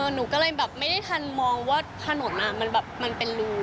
หนูก็เลยแบบไม่ได้ทันมองว่าถนนมันแบบมันเป็นรู